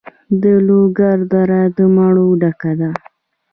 د لوګر دره د مڼو ډکه ده.